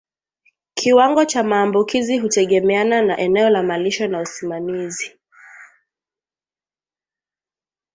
Kiwango cha maambukizi hutegemeana na eneo la malisho na usimamizi